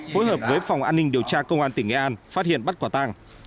hối hợp với phòng an ninh điều tra công an tỉnh nghệ an phát hiện bắt quả tăng